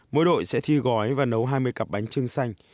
mỗi đội sẽ thi gói và nấu hai mươi cặp bánh trưng xanh